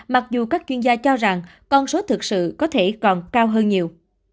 mặc dù các chuyên gia cho rằng con số thực sự có thể còn cao hơn nhiều